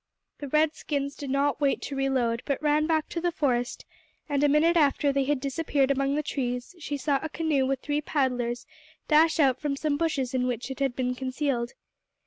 The red skins did not wait to reload, but ran back to the forest, and a minute after they had disappeared among the trees she saw a canoe with three paddlers dash out from some bushes in which it had been concealed.